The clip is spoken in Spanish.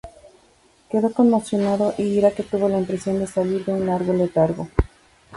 Quedó conmocionado y dirá que tuvo la impresión de salir de un largo letargo.